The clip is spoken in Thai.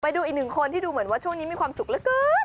ไปดูอีกหนึ่งคนที่ดูเหมือนว่าช่วงนี้มีความสุขเหลือเกิน